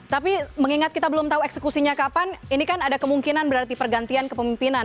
tapi mengingat kita belum tahu eksekusinya kapan ini kan ada kemungkinan berarti pergantian kepemimpinan